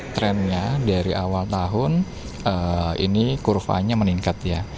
trendnya dari awal tahun ini kurvanya meningkat ya